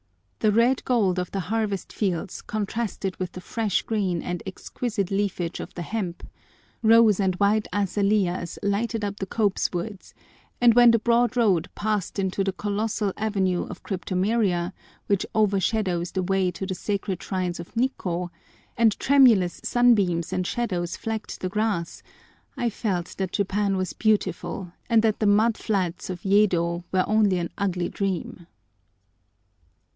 The red gold of the harvest fields contrasted with the fresh green and exquisite leafage of the hemp; rose and white azaleas lighted up the copse woods; and when the broad road passed into the colossal avenue of cryptomeria which overshadows the way to the sacred shrines of Nikkô, and tremulous sunbeams and shadows flecked the grass, I felt that Japan was beautiful, and that the mud flats of Yedo were only an ugly dream!